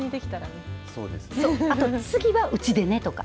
あと次は家でねとか。